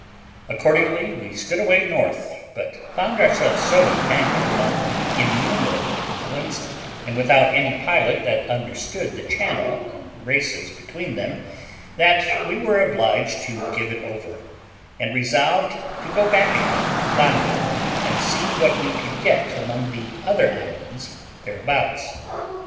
Accordingly we stood away north, but found ourselves so entangled among innumerable islands, and without any pilot that understood the channel and races between them, that we were obliged to give it over, and resolved to go back again to Banda, and see what we could get among the other islands thereabouts.